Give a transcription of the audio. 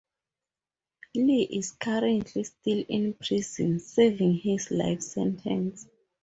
Lee is currently still in prison serving his life sentence.